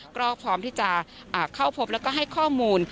ก็พร้อมที่จะเข้าพบแล้วก็ให้ข้อมูล